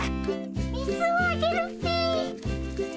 水をあげるっピ。